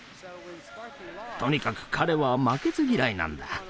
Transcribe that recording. とにかく彼は負けず嫌いなんだ。